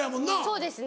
そうですね。